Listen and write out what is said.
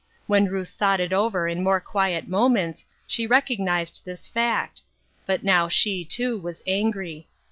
When Ruth thought it over in more quiet moments she recognized this fact ; but now she, too, was angry.